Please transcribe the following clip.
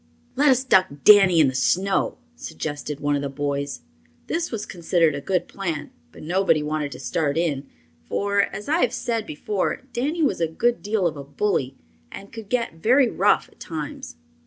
"Let us duck Danny in the snow," suggested one of the boys. This was considered a good plan, but nobody wanted to start in, for, as I have said before, Danny was a good deal of a bully, and could get very rough at times.